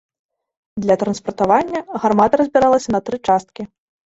Для транспартавання гармата разбіралася на тры часткі.